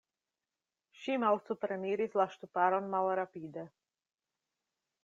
Ŝi malsupreniris la ŝtuparon malrapide.